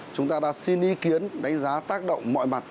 chúng ta đã xin ý kiến đánh giá tác động mọi mặt